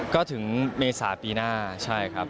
ก็ถึงเมษาปีหน้าใช่ครับ